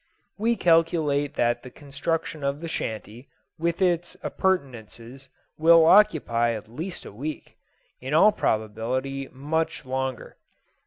We calculate that the construction of the shanty, with its appurtenances, will occupy at least a week in all probability, much longer.